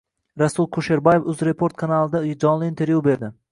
Rasul Kusherbayev Uzreport kanalida jonli intervyu beradi